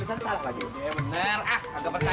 eh eh pat